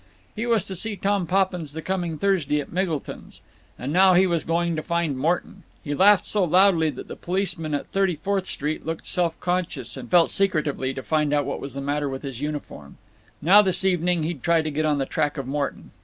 He was to see Tom Poppins the coming Thursday at Miggleton's. And now he was going to find Morton! He laughed so loudly that the policeman at Thirty fourth Street looked self conscious and felt secretively to find out what was the matter with his uniform. Now, this evening, he'd try to get on the track of Morton.